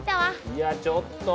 いやちょっと！